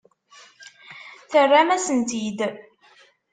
Terramt-asen-tt-id.